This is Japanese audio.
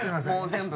全部。